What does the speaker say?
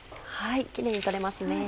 キレイに取れますね。